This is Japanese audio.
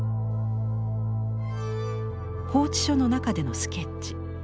拘置所の中でのスケッチ。